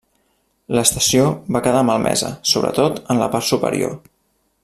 L'estació va quedar malmesa, sobretot en la part superior.